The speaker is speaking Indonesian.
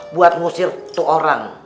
buat ngusir tuh orang